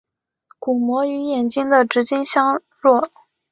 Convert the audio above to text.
鼓膜与眼睛的直径相若。